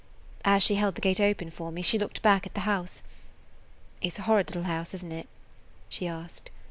As she held the gate open for me she looked back at the house. "It 's a horrid little house, isn't it?" she asked.